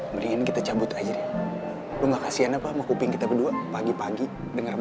mending kita cabut aja lu nggak kasihan apa mau pindah kedua pagi pagi denger